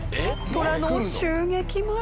トラの襲撃まで。